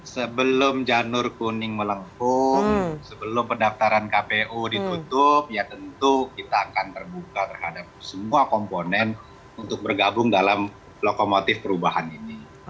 sebelum janur kuning melengkung sebelum pendaftaran kpu ditutup ya tentu kita akan terbuka terhadap semua komponen untuk bergabung dalam lokomotif perubahan ini